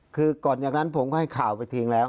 คือก่อนอย่างนั้นผมก็ให้ข่าวไปทิ้งแล้ว